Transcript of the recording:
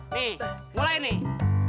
nih mulai nih